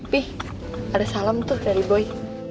pih ada salam tuh dari boy